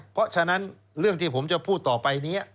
เพราะฉะนั้นเรื่องที่ผมจะพูดต่อไปนี้